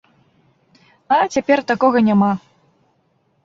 А цяпер такога няма.